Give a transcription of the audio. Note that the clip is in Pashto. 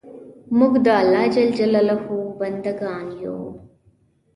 موږ د الله ج بندګان یو